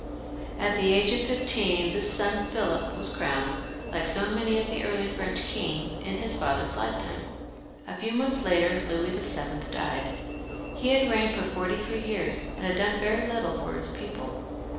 At the age of fifteen this son Philip was crowned, like so many of the early French kings, in his father's lifetime. A few months later Louis VII. died. He had reigned for forty three years, and had done very little for his people.